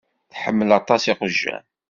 Tḥemmel aṭas iqjan.